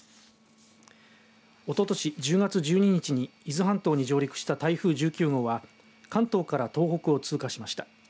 おととし１０月１２日に伊豆半島に上陸した台風１９号は関東から東北を通過しました。